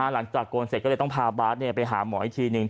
โกนเสร็จก็เลยต้องพาบาสไปหาหมออีกทีนึง